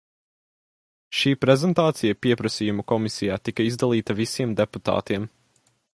Šī prezentācija Pieprasījumu komisijā tika izdalīta visiem deputātiem.